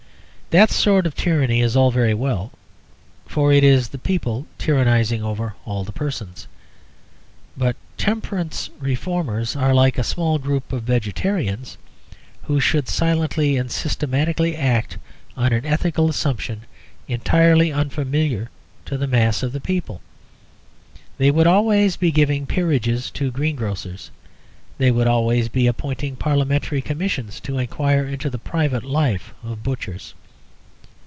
That sort of tyranny is all very well; for it is the people tyrannising over all the persons. But "temperance reformers" are like a small group of vegetarians who should silently and systematically act on an ethical assumption entirely unfamiliar to the mass of the people. They would always be giving peerages to greengrocers. They would always be appointing Parliamentary Commissions to enquire into the private life of butchers.